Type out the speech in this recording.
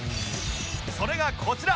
それがこちら。